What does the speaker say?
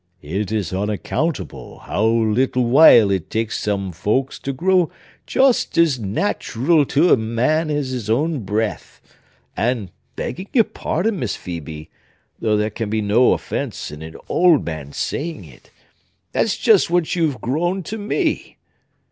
"It is unaccountable how little while it takes some folks to grow just as natural to a man as his own breath; and, begging your pardon, Miss Phœbe (though there can be no offence in an old man's saying it), that's just what you've grown to me!